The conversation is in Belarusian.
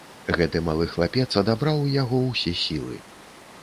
Гэты малы хлапец адабраў у яго ўсе сілы.